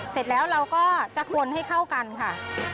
เสร็จแล้วเราก็จะคนให้เข้ากันค่ะ